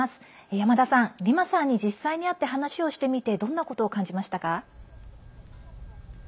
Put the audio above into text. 山田さん、リマさんに実際に会って話をしてみてどんなことを感じましたか？